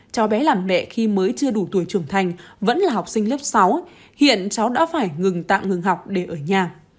cháu bé làm mẹ khi mới chưa đủ tuổi trưởng thành vẫn là học sinh lớp sáu hiện cháu đã phải ngừng tạm ngừng học để ở nhà